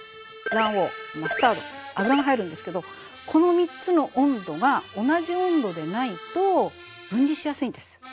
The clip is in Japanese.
卵黄マスタード油が入るんですけどこの３つの温度が同じ温度でないと分離しやすいんです。